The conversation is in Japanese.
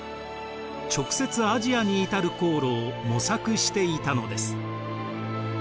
直接アジアに至る航路を模索していたのです。